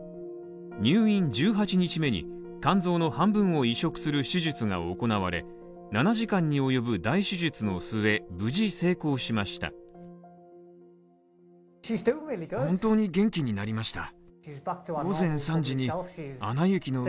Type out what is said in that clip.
入院１８日目に肝臓の半分を移植する手術が行われ７時間に及ぶ大手術の末、無事成功しました。